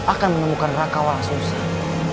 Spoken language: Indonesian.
akan menemukan raka'ah susah